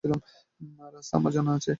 রাস্তা আমার জানা আছে।